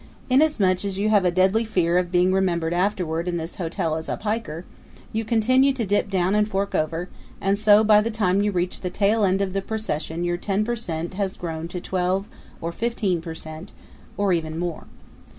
Inasmuch as you have a deadly fear of being remembered afterward in this hotel as a piker, you continue to dip down and to fork over, and so by the time you reach the tail end of the procession your ten per cent has grown to twelve or fifteen per cent, or even more.